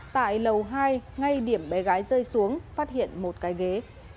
tại lầu hai ngay điểm bé gái rơi xuống phát hiện một cái ghế